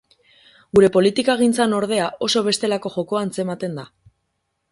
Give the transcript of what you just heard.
Gure politikagintzan, ordea, oso bestelako jokoa antzematen da.